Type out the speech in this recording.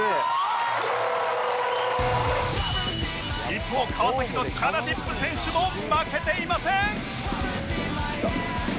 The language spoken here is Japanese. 一方川崎のチャナティップ選手も負けていません